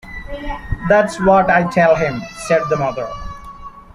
“That’s what I tell him,” said the mother.